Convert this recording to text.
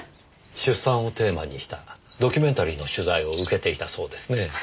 出産をテーマにしたドキュメンタリーの取材を受けていたそうですね？